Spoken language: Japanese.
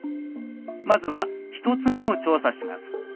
まずは１つ目を調査します。